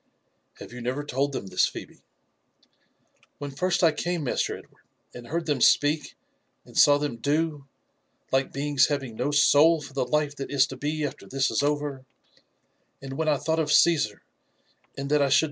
" Have you never told them this, Phebe?" " When first I came. Master Edward, and heard them speak, and saw them do, like beings having no souls for the life that i» to be after this is over, and when I thought of Caesar, and that I should neve?